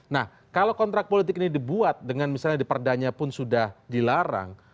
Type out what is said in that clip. nah kalau kontrak politik ini dibuat dengan misalnya di perdanya pun sudah dilarang